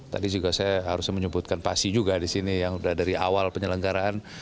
tadi juga saya harus menyebutkan pasi juga di sini yang sudah dari awal penyelenggaraan